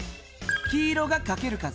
黄色がかける数。